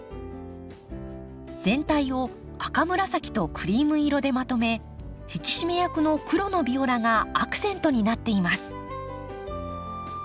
全体を赤紫とクリーム色でまとめ引き締め役の黒のビオラがアクセントになっています。